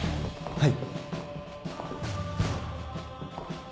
はい。